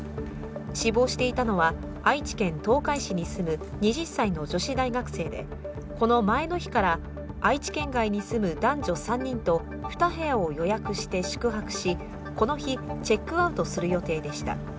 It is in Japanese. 死亡していたのは愛知県東海市に住む２０歳の女子大学生でこの前の日から愛知県外に住む男女３人と２部屋を予約して宿泊し、この日、チェックアウトする予定でした。